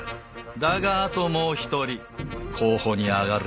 だがあともう１人候補に挙がる